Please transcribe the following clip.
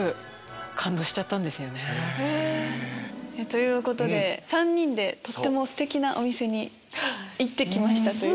ということで３人でとってもステキなお店に行って来ました。